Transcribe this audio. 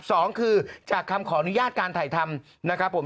สองคือจากคำขออนุญาตการถ่ายทำนะครับผม